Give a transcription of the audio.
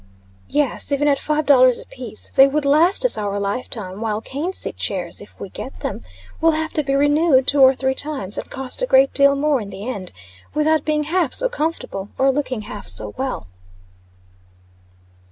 "Yes. Even at five dollars a piece. They would last us our life time; while cane seat chairs, if we get them, will have to be renewed two or three times, and cost a great deal more in the end, without being half so comfortable, or looking half so well."